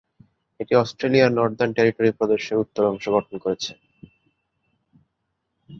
এটি অস্ট্রেলিয়ার Northern Territory প্রদেশের উত্তর অংশ গঠন করেছে।